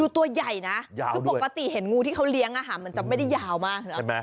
ตัวใหญ่นะคือปกติเห็นงูที่เขาเลี้ยงมันจะไม่ได้ยาวมากนะ